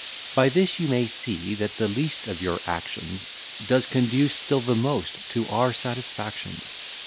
By this you may see that the least of your actions Does conduce still the most to our satisfactions.